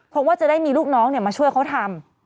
เพราะว่าจะได้มีลูกน้องมาช่วยเขาทำ